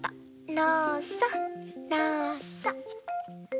のそのそ。